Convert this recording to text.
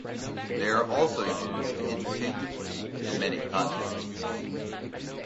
They are also used interchangeably in many contexts.